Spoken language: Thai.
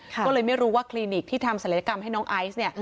ก็เลยไม่รู้ว่าคลินิกที่ทำศัลยกรรมให้น้องไอซ์เนี่ย